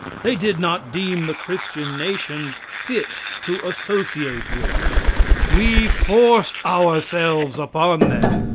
They did not deem the Christian nations fit to associate with. We forced ourselves upon them.